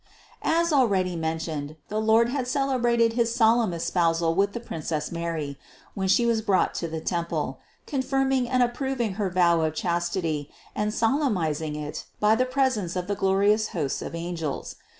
As already mentioned, the Lord had celebrated his solemn espousal with the Princess Mary (435) when She was brought to the temple, confirming and approv ing her vow of chastity, and solemnizing it by the pres ence of the glorious hosts of angels.